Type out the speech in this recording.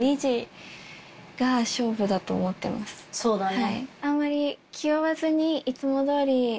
そうだね。